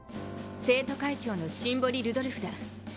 生徒会長のシンボリルドルフだ。